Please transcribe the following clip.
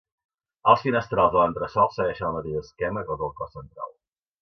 Els finestrals de l'entresòl segueixen el mateix esquema que els del cos central.